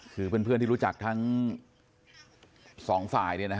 คือเพื่อนที่รู้จักทั้งสองฝ่าย